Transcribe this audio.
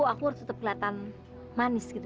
aku harus tetep keliatan manis gitu